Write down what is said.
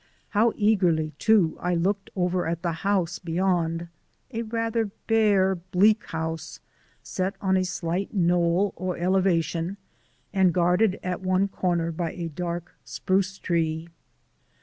How eagerly, too, I looked over at the house beyond a rather bare, bleak house set on a slight knoll or elevation and guarded at one corner by a dark spruce tree.